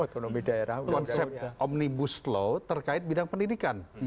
konsep omnibus law terkait bidang pendidikan